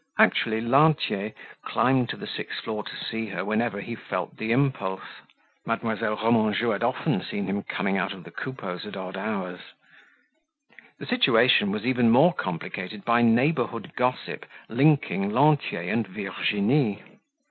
Actually Lantier climbed to the sixth floor to see her whenever he felt the impulse. Mademoiselle Remanjou had often seen him coming out of the Coupeaus' at odd hours. The situation was even more complicated by neighborhood gossip linking Lantier and Virginie.